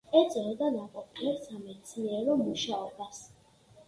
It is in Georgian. ეწეოდა ნაყოფიერ სამეცნიერო მუშაობას.